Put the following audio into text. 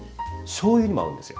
しょうゆにも合うんですよ